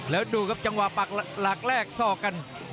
แล้วดูครับจังหวะปักหลักแรกศอกกัน